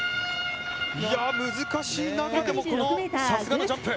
難しい中でも、さすがのジャンプ。